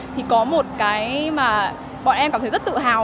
thì có một cái mà bọn em cảm thấy rất tự hào